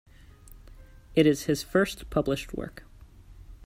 It is his first published work.